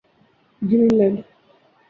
green land